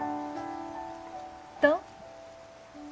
どう？